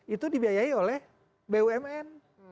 itu dibiayai oleh bumn